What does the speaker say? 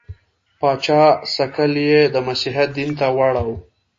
پاچا سکل یې د مسیحیت دین ته واړاوه.